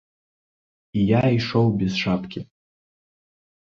І я ішоў без шапкі.